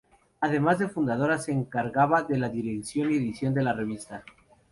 Además de fundadora se encargaba de la dirección y edición de la revista.